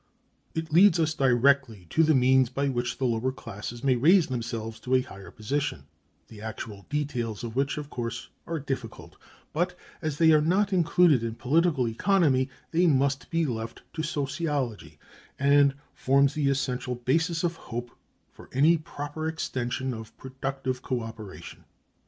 It leads us directly to the means by which the lower classes may raise themselves to a higher position—the actual details of which, of course, are difficult, but, as they are not included in political economy, they must be left to sociology—and forms the essential basis of hope for any proper extension of productive co operation.